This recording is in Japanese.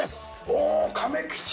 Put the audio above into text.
おぉ、亀吉！